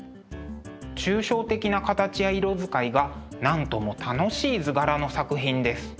抽象的な形や色使いがなんとも楽しい図柄の作品です。